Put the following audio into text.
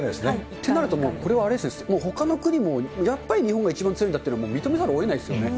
てなると、これはもうほかの国も、やっぱり日本が一番強いんだっていうのは、もう認めざるをえないですよね。